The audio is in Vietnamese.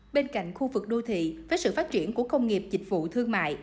bên cạnh khu vực đô thị với sự phát triển của công nghiệp dịch vụ thương mại